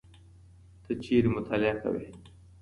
ته چېرته مطالعه کوې؟